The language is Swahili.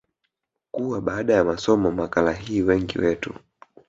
kuwa baada ya kusoma makala hii wengi wetu